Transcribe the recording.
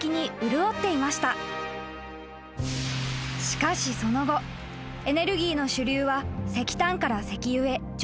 ［しかしその後エネルギーの主流は石炭から石油へ徐々に移行］